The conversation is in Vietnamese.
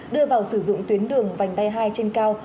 đưa vào sử dụng tuyến đường vành đai hai trên cao